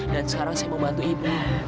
dan sekarang saya mau bantu ibu